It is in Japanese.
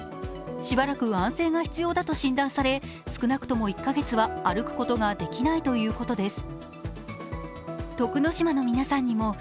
しばらく安静が必要だと診断され少なくとも１カ月は歩くことができないということです。